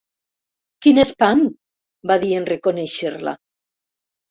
Quin espant! —va dir, en reconèixer-la.